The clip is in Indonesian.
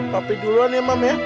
tapi duluan ya mam ya